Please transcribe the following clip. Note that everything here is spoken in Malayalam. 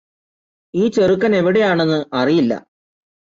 ഈ ചെറുക്കനെവിടെയാണെന്ന് അറിയില്ലാ